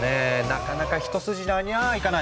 なかなか一筋縄にゃあいかない。